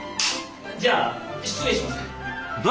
じゃあ失礼します。